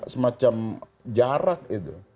semacam jarak itu